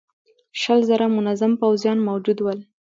شل زره منظم پوځيان موجود ول.